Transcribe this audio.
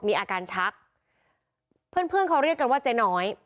มีอาการชักเพื่อนเพื่อนเขาเรียกกันว่าเจ๊น้อย